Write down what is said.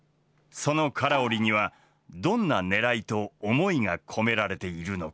その唐織にはどんなねらいと思いが込められているのか。